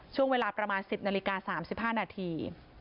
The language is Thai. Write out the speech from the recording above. ช่วงเวลาประมาณสิบนาฬิกาสามสิบห้านาที